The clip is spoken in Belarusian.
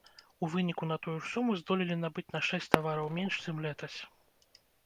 У выніку на тую ж суму здолелі набыць на шэсць тавараў менш, чым летась.